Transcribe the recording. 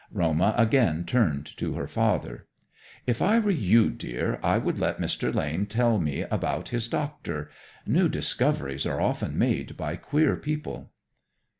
Roma again turned to her father. "If I were you, dear, I would let Mr. Lane tell me about his doctor. New discoveries are often made by queer people."